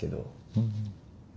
うん。